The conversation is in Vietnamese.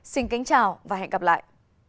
xin chào và hẹn gặp lại